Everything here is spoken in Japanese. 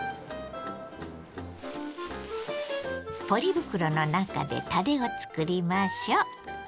ポリ袋の中でタレを作りましょ。